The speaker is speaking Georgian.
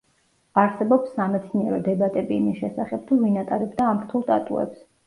არსებობს სამეცნიერო დებატები იმის შესახებ თუ ვინ ატარებდა ამ რთულ ტატუებს.